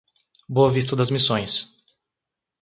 Boa Vista das Missões